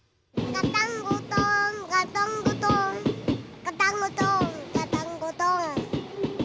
ガタンゴトーンガタンゴトーンガタンゴトーンガタンゴトーン。